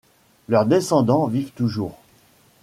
Leur descendants vivent toujours.